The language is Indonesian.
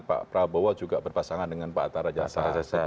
pak prabowo juga berpasangan dengan pak atta rajasa